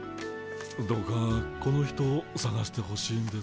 どうかこの人をさがしてほしいんです。